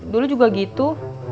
dulu juga gitu